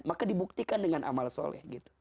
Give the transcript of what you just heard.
maka dibuktikan dengan amal soleh